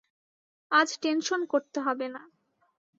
আজ টেনশন করতে হবে না।